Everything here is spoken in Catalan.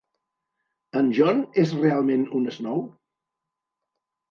En John és realment un Snow?